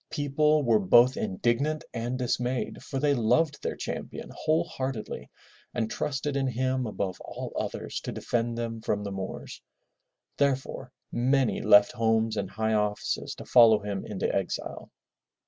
People were both indignant and dismayed for they loved their champion whole heartedly and trusted in him above all others to defend them from the Moors. Therefore many left homes and high offices to follow him into exile.